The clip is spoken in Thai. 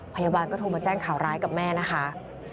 พยาบาลก็โทรมาแจ้งข่าวร้ายกับแม่นะคะ